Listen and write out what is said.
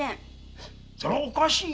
それはおかしいな。